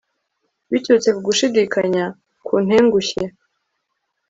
biturutse ku gushidikanya kuntengushye